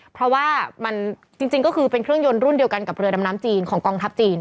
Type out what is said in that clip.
เพราะว่ามันจริงก็คือเป็นเครื่องยนต์รุ่นเดียวกันกับเรือดำน้ำจีนของกองทัพจีน